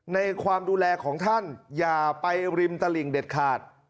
ในความดูแลของท่านอย่าไปริมตลิ่งเด็ดขาด